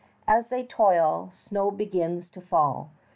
As they toil, snow begins to fall.